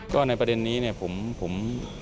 ก็ในประเด็นนี้ผม